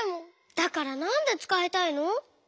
だからなんでつかいたいの？